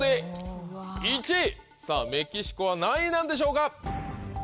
さぁメキシコは何位なんでしょうか？